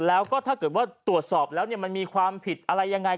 แล้วก็ถ้าเกิดว่าตรวจสอบแล้วมันมีความผิดอะไรยังไง